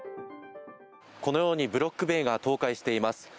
このようにブロック塀が倒壊しています。